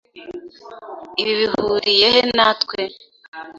Ibi bihuriye he natwe?